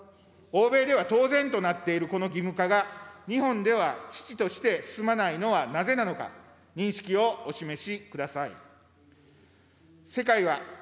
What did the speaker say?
欧米では当然となっている、この義務化が日本では遅々として進まないのはなぜなのか、認識をお示